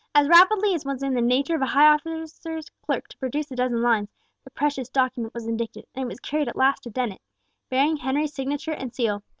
As rapidly as was in the nature of a high officer's clerk to produce a dozen lines, the precious document was indicted, and it was carried at last to Dennet, bearing Henry's signature and seal.